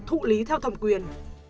thụ lý theo thẩm quyền